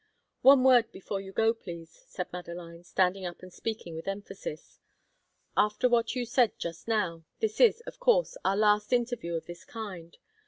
"One word before you go, please," said Madeline, standing up and speaking with emphasis. "After what you said just now, this is, of course, our last interview of this kind.